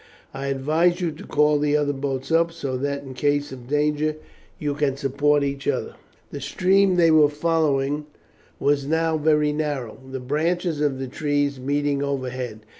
I advise you to call the other boats up so that in case of danger you can support each other." The stream they were following was now very narrow, the branches of the trees meeting overhead.